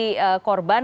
ketika menjadi korban